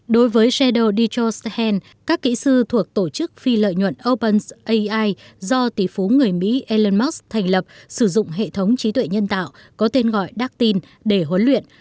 đối với shadow destroy hand các kỹ sư thuộc tổ chức phi lợi nhuận openai do tỷ phú người mỹ elon musk thành lập sử dụng hệ thống trí tuệ nhân tạo có tên gọi dactyl để huấn luyện